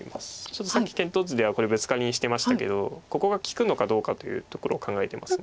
ちょっとさっき検討図ではこれブツカリにしてましたけどここが利くのかどうかというところを考えてます。